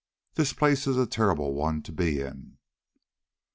This place is a terrible one to be in."